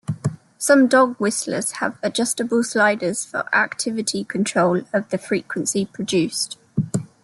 Some dog whistles have adjustable sliders for active control of the frequency produced.